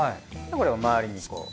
これを周りにこう。